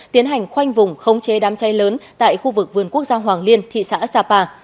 tiến hành khoanh vùng khống chế đám cháy lớn tại khu vực vườn quốc gia hoàng liên thị xã sapa